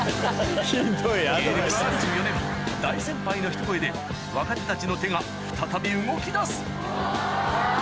芸歴３４年大先輩のひと声で若手たちの手が再び動きだすあぁ！